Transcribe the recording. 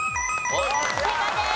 正解です。